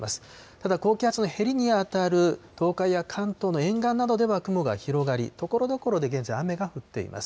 ただ、高気圧のへりに当たる東海や関東の沿岸などでは雲が広がり、ところどころで現在、雨が降っています。